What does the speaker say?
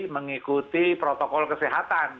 mengikuti protokol kesehatan